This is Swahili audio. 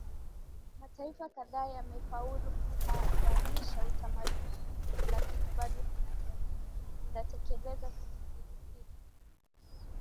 Mataifa kadhaa yamefaulu kuharamisha utamaduni huu lakini bado kuna jamii zinatekeleza kisiri siri